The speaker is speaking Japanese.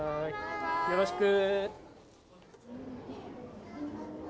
よろしく。